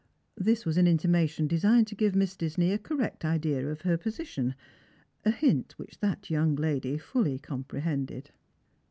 This was an intimation designed to give Miss Disney a correct idea of her position, a hint which that young lady fully com prehended.